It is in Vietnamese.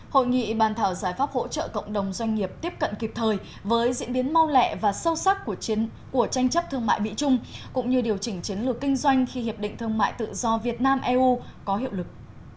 hội nghị bàn thảo giải pháp hỗ trợ cộng đồng doanh nghiệp tiếp cận kịp thời với diễn biến mau lẹ và sâu sắc của tranh chấp thương mại mỹ trung cũng như điều chỉnh chiến lược kinh doanh khi hiệp định thương mại tự do việt nam eu có hiệu lực